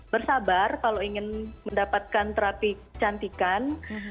bersabar kalau ingin mendapatkan terapi kecantikan